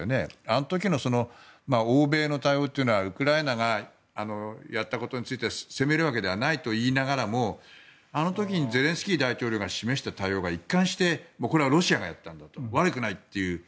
あの時の欧米の対応というのはウクライナがやったことについては責めるわけではないと言いながらもあの時にゼレンスキー大統領が示した対応がこれはロシアがやったんだと悪くないという。